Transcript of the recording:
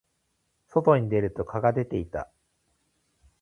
外に出ると虹が出ていた。